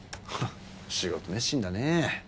仕事熱心だねえ。